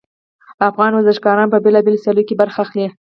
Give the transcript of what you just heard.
افغان ورزشګران په بیلابیلو سیالیو کې برخه اخلي